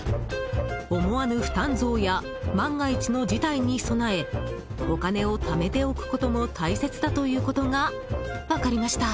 思わぬ負担増や万が一の事態に備えお金をためておくことも大切だということが分かりました。